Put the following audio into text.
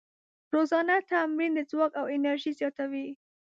روزانه تمرین د ځواک او انرژۍ زیاتوي.